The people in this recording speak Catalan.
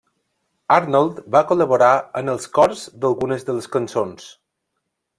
Arnold va col·laborar en els cors d'algunes de les cançons.